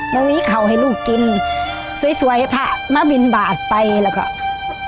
ไม่มีเขาให้ลูกกินสวยสวยให้พระมาบินบาทไปแล้วก็